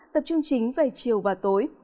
tập trung chính về chiều và tối